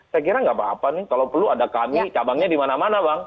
saya kira nggak apa apa nih kalau perlu ada kami cabangnya di mana mana bang